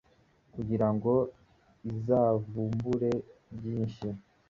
kugira ngo izavumbure byinshi